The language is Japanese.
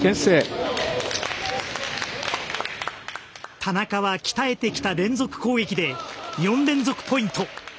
田中は鍛えてきた連続攻撃で４連続ポイント。